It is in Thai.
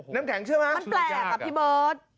น้ำแข็งเชื่อไหมมันแปลกครับพี่บอส